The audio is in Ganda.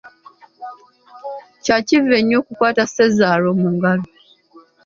Kya kivve nnyo okukwata ssezaalwo mu ngalo.